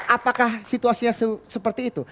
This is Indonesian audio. apakah situasinya seperti itu